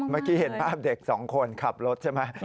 เมื่อกี้เห็นภาพเด็กสองคนขับรถใช่ไหม